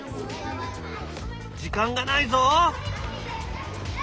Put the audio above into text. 時間がないぞ！